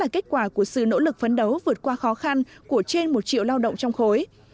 khó khăn của trên một triệu lao động trong khối